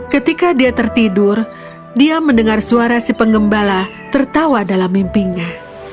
ketika dia tertidur dia mendengar suara si pengembala tertawa dalam mimpinya